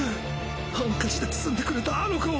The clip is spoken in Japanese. ハンカチで包んでくれたあの子を！